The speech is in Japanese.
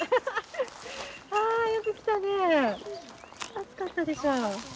暑かったでしょう。